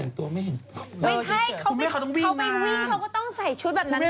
เขาไปวิ่งเขาก็ต้องใส่ชุดแบบนั้น